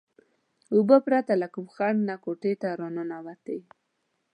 اوبه پرته له کوم خنډ نه کوټې ته ورننوتې.